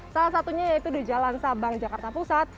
salah satunya yaitu di jalan sabang jakarta pusat